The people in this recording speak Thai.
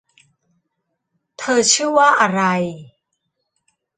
เธอชื่อว่าอะไร